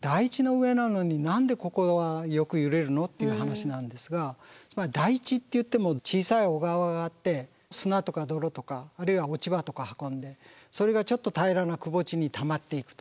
台地の上なのに何でここはよく揺れるの？っていう話なんですが台地っていっても小さい小川があって砂とか泥とかあるいは落ち葉とか運んでそれがちょっと平らなくぼ地にたまっていくと。